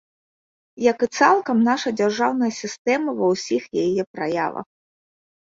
Як і цалкам наша дзяржаўная сістэма ва ўсіх яе праявах.